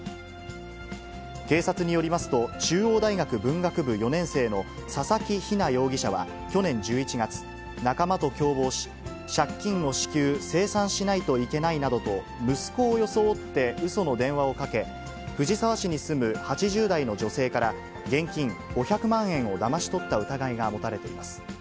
警察によりますと、中央大学文学部４年生の佐々木ひな容疑者は去年１１月、仲間と共謀し、借金を至急清算しないといけないなどと息子を装ってうその電話をかけ、藤沢市に住む８０代の女性から、現金５００万円をだまし取った疑いが持たれています。